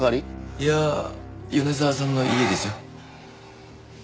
いや米沢さんの家ですよ。